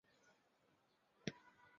波利尼。